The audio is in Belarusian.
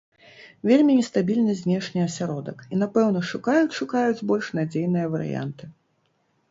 Вельмі нестабільны знешні асяродак, і, напэўна, шукаюць-шукаюць больш надзейныя варыянты.